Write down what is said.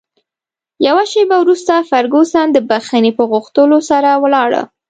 یوه شیبه وروسته فرګوسن د بښنې په غوښتلو سره ولاړه.